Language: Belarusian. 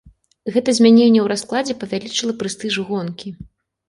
Гэта змяненне ў раскладзе павялічыла прэстыж гонкі.